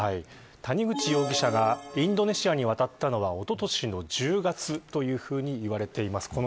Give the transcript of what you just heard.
谷口容疑者がインドネシアに渡ったのはおととしの１０月というふうに言われています。